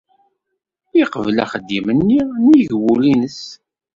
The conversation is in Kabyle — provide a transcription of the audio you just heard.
Yeqbel axeddim-nni nnig wul-nnes.